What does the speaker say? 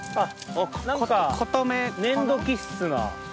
何か粘土気質な。